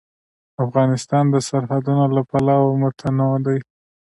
افغانستان د سرحدونه له پلوه متنوع دی.